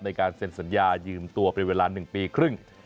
ในการเซ็นสัญญายืมตัวเป็นเวลา๑ปีครึ่ง